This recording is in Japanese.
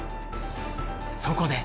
そこで！